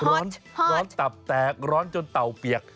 ร้อนตับแตกร้อนจนเตาเปียก